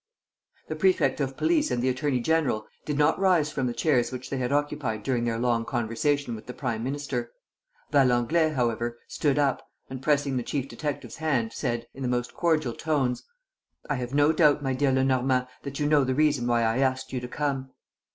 The prefect of police and the attorney general did not rise from the chairs which they had occupied during their long conversation with the prime minister. Valenglay, however, stood up and, pressing the chief detective's hand, said, in the most cordial tones: "I have no doubt, my dear Lenormand, that you know the reason why I asked you to come."